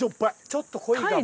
ちょっと濃いかも。